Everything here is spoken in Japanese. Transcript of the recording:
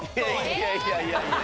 いやいやいやいや。